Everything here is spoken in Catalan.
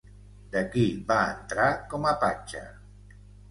De qui va entrar com a patge?